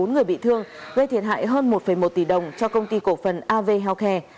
bốn người bị thương gây thiệt hại hơn một một tỷ đồng cho công ty cổ phần av healthcare